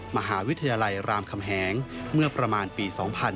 มหาวิทยาลัยรามคำแหงเมื่อประมาณปี๒๕๕๙